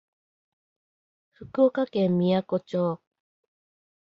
福岡県みやこ町